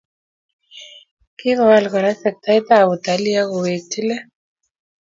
Kikowal Kora sektaitab utalii akowekchi let